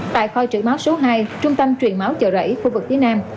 tại kho trực máu số hai trung tâm truyền máu chợ rẫy phương vực tây nam